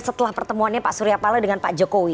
setelah pertemuannya pak suryapala dengan pak jokowi